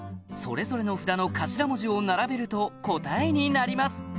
それぞれの札の頭文字を並べると答えになります